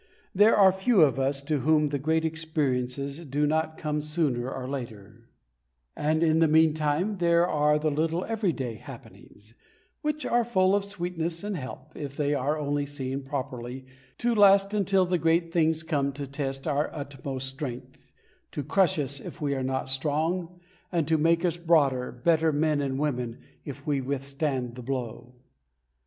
There are few of us to whom the great experiences do not come sooner or later, and, in the meantime, there are the little everyday happenings, which are full of sweetness and help, if they are only seen properly, to last until the great things come to test our utmost strength, to crush us if we are not strong, and to make us broader, better men and women if we withstand the blow.